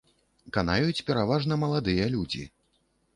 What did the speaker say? Канаюць пераважна маладыя людзі.